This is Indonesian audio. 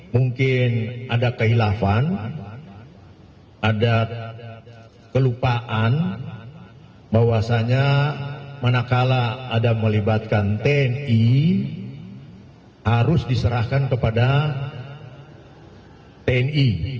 mungkin ada kehilafan ada kelupaan bahwasannya manakala ada melibatkan tni harus diserahkan kepada tni